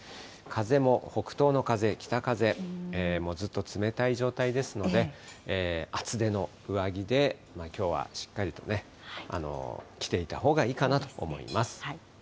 風も北東の風、北風、もうずっと冷たい状態ですので、厚手の上着できょうはしっかりと着ていたほうがいいかなと思います。